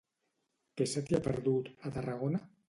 Què se t'hi ha perdut, a Tarragona?